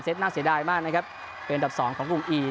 น่าเสียดายมากนะครับเป็นอันดับสองของกรุงอี